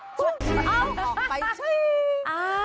ช่วยออกไปช่วย